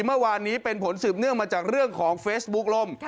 เมื่อวานนี้เป็นผลสืบเนื่องมาจากเรื่องของเฟซบุ๊คล่ม